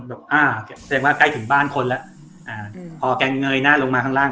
แบบอ่าแสดงว่าใกล้ถึงบ้านคนแล้วอ่าพอแกเงยหน้าลงมาข้างล่าง